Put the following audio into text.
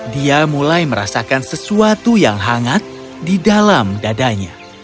dia mulai merasakan sesuatu yang hangat di dalam dadanya